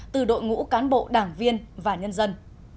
từ đội ngũ cán bộ đảng viên và nhân dân